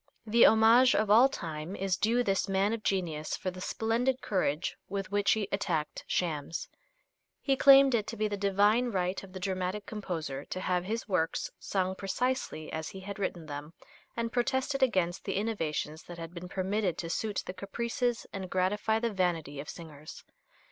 The homage of all time is due this man of genius for the splendid courage with which he attacked shams. He claimed it to be the divine right of the dramatic composer to have his works sung precisely as he had written them, and protested against the innovations that had been permitted to suit the caprices and gratify the vanity of singers.